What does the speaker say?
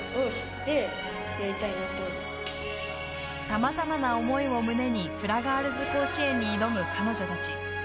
さまざまな思いを胸にフラガールズ甲子園に挑む彼女たち。